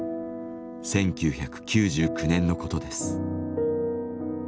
１９９９年のことです。